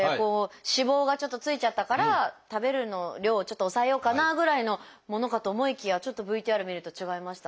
脂肪がちょっとついちゃったから食べる量をちょっと抑えようかなぐらいのものかと思いきやちょっとＶＴＲ見ると違いましたね。